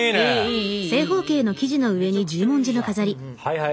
はいはい。